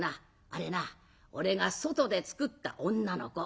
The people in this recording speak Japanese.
あれな俺が外でつくった女の子。